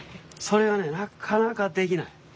それがねなかなかできない。